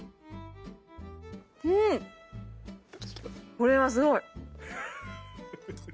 これはすごい！